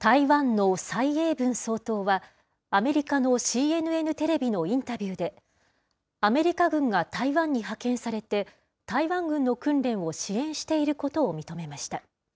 台湾の蔡英文総統は、アメリカのＣＮＮテレビのインタビューで、アメリカ軍が台湾に派遣されて、台湾軍の訓練を支援していることを認めました。